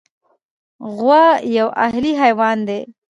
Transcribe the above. غوا یو اهلي حیوان دی.